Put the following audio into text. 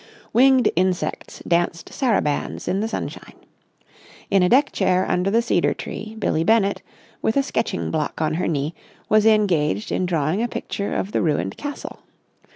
Winged insects danced sarabands in the sunshine. In a deck chair under the cedar tree Billie Bennett, with a sketching block on her knee, was engaged in drawing a picture of the ruined castle.